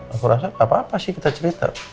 aku rasa gapapa sih kita cerita